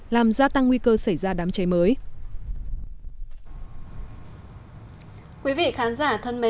làm gia tăng nguy cơ xảy ra đám cháy mới